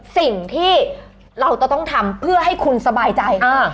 สิ่งที่เราจะต้องทำเพื่อให้คุณสบายใจ